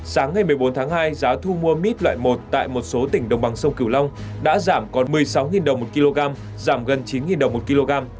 sáng ngày một mươi bốn tháng hai giá thu mua mít loại một tại một số tỉnh đồng bằng sông cửu long đã giảm còn một mươi sáu đồng một kg giảm gần chín đồng một kg